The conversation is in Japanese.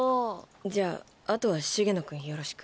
じゃああとは茂野くんよろしく。